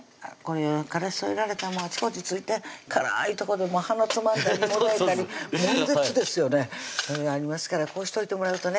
からし添えられたらあちこち付いて辛いとこで鼻つまんだりもだえたり悶絶ですよねありますからこうしといてもらうとね